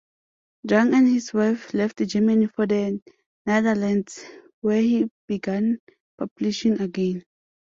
Jung and his wife left Germany for the Netherlands, where he began publishing again.